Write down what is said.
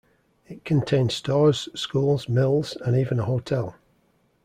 It contained stores, schools, mills, and even a hotel.